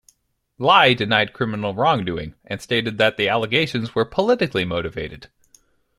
Lai denied criminal wrongdoing, and stated that the allegations were politically motivated.